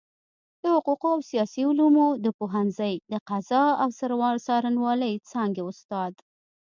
د حقوقو او سياسي علومو د پوهنځۍ د قضاء او څارنوالۍ څانګي استاد